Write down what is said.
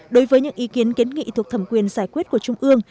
đối với những ý kiến kiến nghị thuộc thẩm quyền giải quyết của trung ương